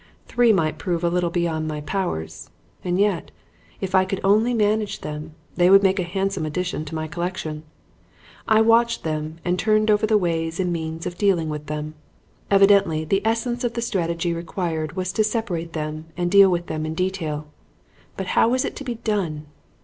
Three might prove a little beyond my powers. And yet, if I could only manage them, they would make a handsome addition to my collection. I watched them and turned over the ways and means of dealing with them. Evidently the essence of the strategy required was to separate them and deal with them in detail. But how was it to be done?